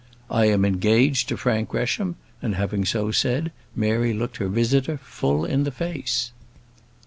"I am engaged to Frank Gresham," and having so said, Mary looked her visitor full in the face.